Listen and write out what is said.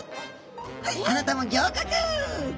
はいあなたも合格」と。